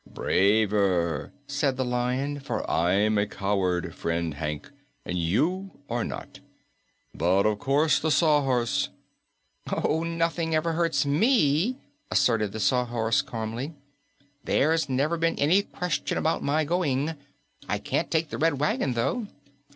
"Braver," said the Lion, "for I'm a coward, friend Hank, and you are not. But of course the Sawhorse " "Oh, nothing ever hurts ME," asserted the Sawhorse calmly. "There's never been any question about my going. I can't take the Red Wagon, though."